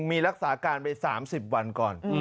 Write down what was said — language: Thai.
มีรักษาการไป๓๐วันก่อน